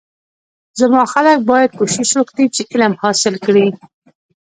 زما خلک باید کوشش وکړی چی علم حاصل کړی